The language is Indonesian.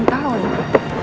mereka kan ga ulang tahun